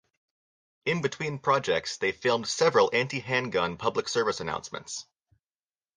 In between projects, they filmed several anti-handgun public service announcements.